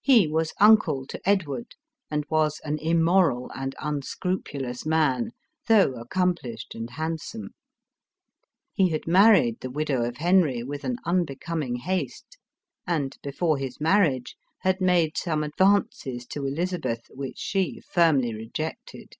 He was uncle to Ed ward, and was an immoral and unscrupulous man, though accomplished and handsome. He had married the widow of Henry with an unbecoming haste, and before his marriage had made some advances to Eliza beth which she firmly rejected.